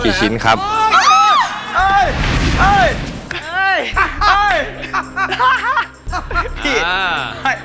ใครเป็นใคร